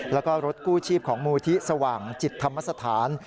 แล้วก็รถกู้ชีพของมูลที่สว่างจิตธรรมสถาน